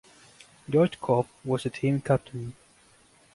George Cobb was the team captain.